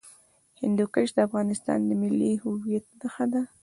هندوکش د افغانستان د ملي هویت نښه ده.